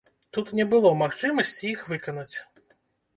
Тут не было магчымасці іх выканаць.